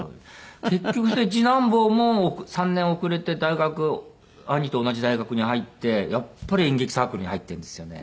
結局次男坊も３年遅れて大学兄と同じ大学に入ってやっぱり演劇サークルに入ってるんですよね。